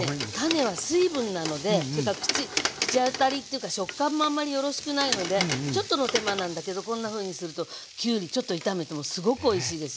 種は水分なのでというか口当たりというか食感もあんまりよろしくないのでちょっとの手間なんだけどこんなふうにするときゅうりちょっと炒めてもすごくおいしいですよ。